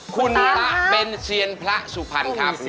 คุณพ่าเป็นเชียนพระสุพรรคับ